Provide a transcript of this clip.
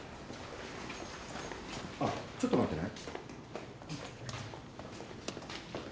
あっちょっと待ってね。